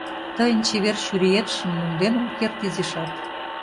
Тыйын чевер чуриетшым монден ом керт изишат.